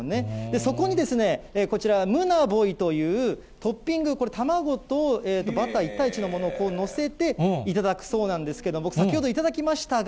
そこにですね、こちら、ムナボイというトッピング、これ、卵とバター、１対１のものを載せて、頂くそうなんですけれども、僕、先ほど頂きましたが、